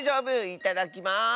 いただきます！